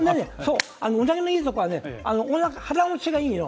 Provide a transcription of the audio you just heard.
うなぎがいいところは、腹持ちがいいよ。